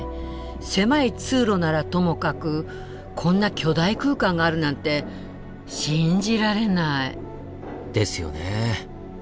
狭い通路ならともかくこんな巨大空間があるなんて信じられない。ですよね。